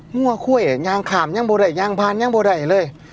หัวข้วยยางขามยังโบได้ยางพานยังโบได้เลย